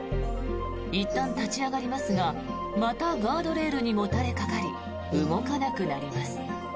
いったん立ち上がりますがまたガードレールにもたれかかり動かなくなります。